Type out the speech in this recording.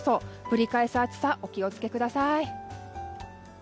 ぶり返す暑さお気をつけください。